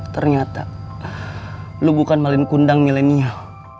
ternyata lo bukan maling kundang milenial